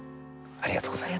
ありがとうございます。